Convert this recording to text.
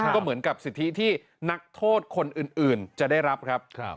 ก็เหมือนกับสิทธิที่นักโทษคนอื่นจะได้รับครับ